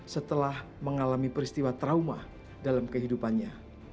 setelah mengalami peristiwa trauma dalam kehidupannya